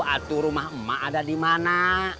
atur rumah emak ada dimana